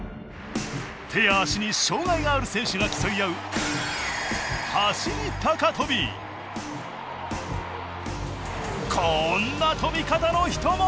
手や足に障害がある選手が競い合うこんな跳び方の人も！